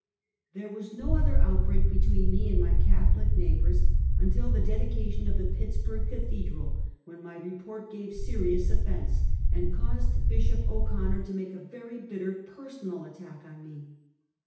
' There was no other outbreak between me and my Catholic neighbors until the dedication of the Pitts burg cathedral, when my report gave serious offense, and caused Bishop O'Conner to make a very bitter personal attack on me.